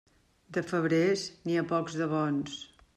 De febrers, n'hi ha pocs de bons.